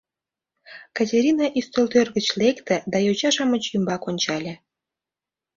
— Катерина ӱстелтӧр гыч лекте да йоча-шамыч ӱмбак ончале.